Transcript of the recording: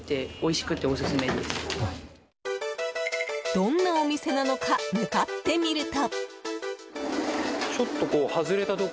どんなお店なのか向かってみると。